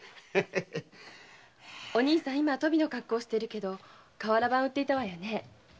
お兄さん今は鳶の格好だけど瓦版を売っていたわよね。